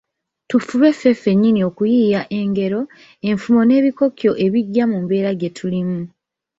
Tufube ffe ffennyini okuyiiya engero, enfumo n'ebikokyo ebigya mu mbeera gye tulimu.